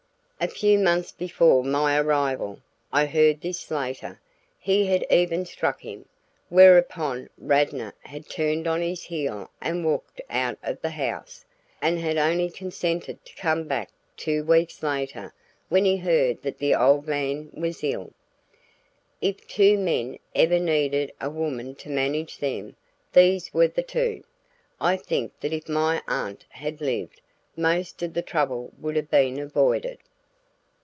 A few months before my arrival (I heard this later) he had even struck him, whereupon Radnor had turned on his heel and walked out of the house, and had only consented to come back two weeks later when he heard that the old man was ill. If two men ever needed a woman to manage them, these were the two. I think that if my aunt had lived, most of the trouble would have been avoided.